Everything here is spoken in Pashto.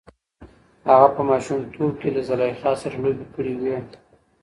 هغه په ماشومتوب کې له زلیخا سره لوبې کړې وې.